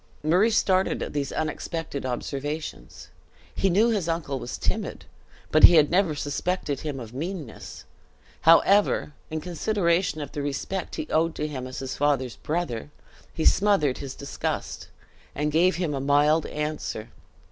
Murray started at these unexpected observations. He knew his uncle was timid, but he had never suspected him of meanness; however, in consideration of the respect he owed to him as his father's brother, he smothered his disgust, and gave him a mild answer.